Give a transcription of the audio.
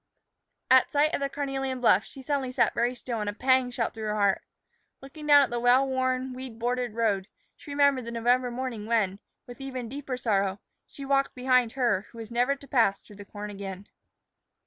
At sight of the carnelian bluff, she suddenly sat very still, and a pang shot through her heart. Looking down at the well worn, weed bordered road, she remembered the November morning when, with even deeper sorrow, she walked behind her who was never to pass through the corn again.